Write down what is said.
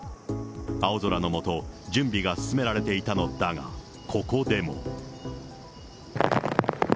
青空の下、準備が進められていたのだが、ここでも。